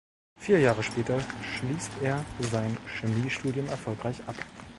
Vier Jahre später schließt er sein Chemiestudium erfolgreich ab.